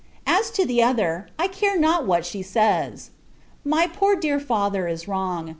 As to the other, I care not what she says. My poor dear father is wrong.